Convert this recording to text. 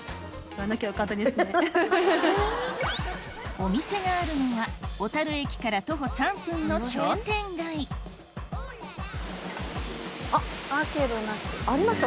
お店があるのは小樽駅から徒歩３分の商店街あっありました